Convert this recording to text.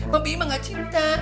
bang p i mah gak cinta